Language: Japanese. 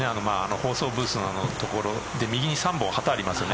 放送ブースの所右に３本、旗ありますよね。